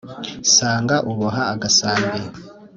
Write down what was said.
nsanga uboha agasambi